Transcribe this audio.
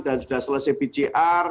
dan sudah selesai pcr